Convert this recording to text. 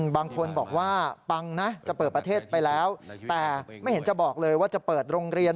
บางคนบอกว่าปังนะจะเปิดประเทศไปแล้วแต่ไม่เห็นจะบอกเลยว่าจะเปิดโรงเรียน